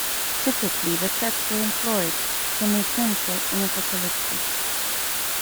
Typically the texts were imploring, penitential, and apocalyptic.